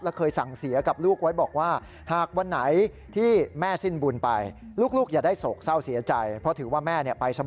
แล้วเคยสั่งเสียกับลูกไว้บอกว่าหากวันไหนที่แม่สิ้นบุญไป